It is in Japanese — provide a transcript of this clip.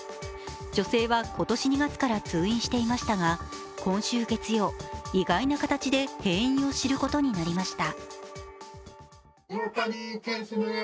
女性は今年２月から通院していましたが、今週月曜、意外な形で閉院を知ることになりました。